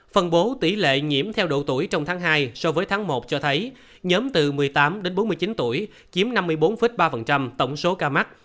phân bố tỷ lệ nhiễm theo độ tuổi trong tháng hai so với tháng một cho thấy nhóm từ một mươi tám đến bốn mươi chín tuổi chiếm năm mươi bốn ba tổng số ca mắc